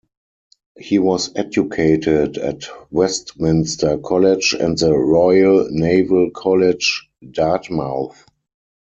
He was educated at Westminster College and the Royal Naval College, Dartmouth.